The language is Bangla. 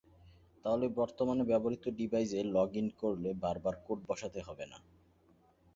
তাহলে বর্তমানে ব্যবহূত ডিভাইসে লগইন করলে বারবার কোড বসাতে হবে না।